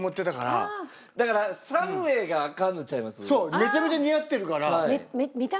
めちゃめちゃ似合ってるから。